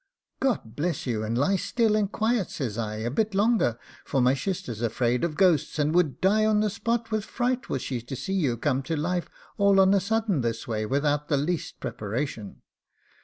'God bless you, and lie still and quiet,' says I, 'a bit longer, for my shister's afraid of ghosts, and would die on the spot with fright was she to see you come to life all on a sudden this way without the least preparation.